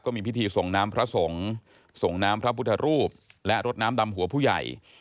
มีพิธีส่งน้ำพระสงฆ์ส่งน้ำพระพุทธรูปและรดน้ำดำหัวผู้ใหญ่